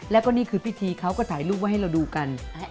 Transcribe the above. แล้วก็นี่คือพิธีเขาก็ถ่ายรูปไว้ให้เราดูกัน